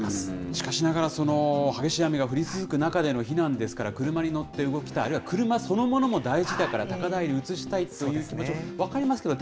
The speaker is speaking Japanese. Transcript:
しかしながら、激しい雨が降り続く中での避難ですから、車に乗って動きたい、あるいは車そのものも大事だから、高台に移したいという気持ちも分かりますけど、